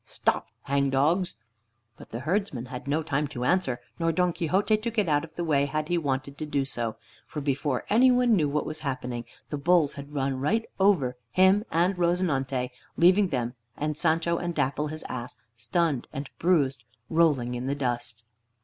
Stop, hangdogs!" But the herdsmen had no time to answer, nor Don Quixote to get out of the way had he wanted to do so, for before any one knew what was happening, the bulls had run right over him and "Rozinante," leaving them and Sancho and "Dapple," his ass, stunned and bruised, rolling in the dust.